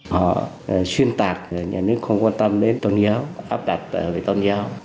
họ xuyên tạc nhà nước không quan tâm đến tôn giáo áp đặt về tôn giáo